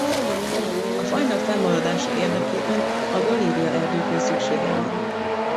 A fajnak fennmaradása érdekében a galériaerdőkre szüksége van.